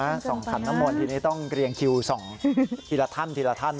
ใกล้กันเกินไปนะส่องถัดน้ำมนต์ทีนี้ต้องเกรียงคิว๒ทีละท่าน